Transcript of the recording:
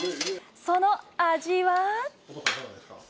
その味は？